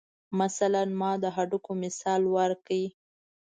مثلاً ما د هډوکو مثال ورکو.